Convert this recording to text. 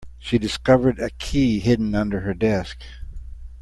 She discovered a key hidden under her desk.